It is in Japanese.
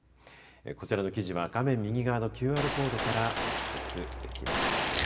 こちらの記事は画面右側のＱＲコードからアクセスできます。